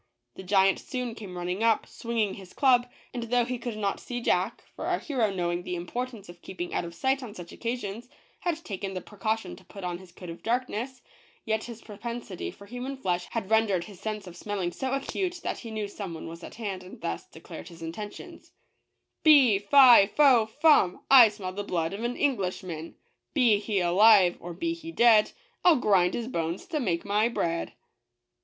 The giant soon came running up, swinging his club, and though he could not see Jack, for our hero, knowing the importance of keeping out of sight on such occasions, had taken the precaution to put on his coat of darkness, yet his propensity for human flesh had rendered his sense of smelling so acute, that he knew some one was at hand, and thus declared his intentions: " Fee !— fie !— foh !— fum ! I smell the blood of an Englishman. Be he alive — or be he dead — I'll grind his bones to make my bread